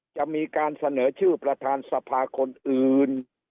จะมีการเสนอชื่อประธานสภาคนอื่น